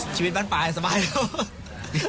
ชีวิตบ้านปลายสบาย